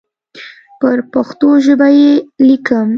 پر پښتو ژبه یې لیکم.